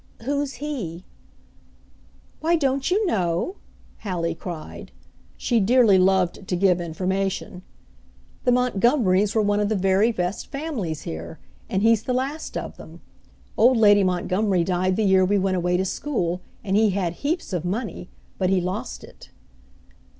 "Who's he?" "Why don't you know?" Hallie cried. She dearly loved to give information. "The Montgomerys were one of the very best families here; and he's the last of them. Old lady Montgomery died the year we went away to school, and he had heaps of money but he lost it."